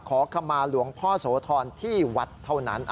ขอขมาหลวงพ่อโสธรที่วัดเท่านั้น